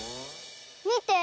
みて。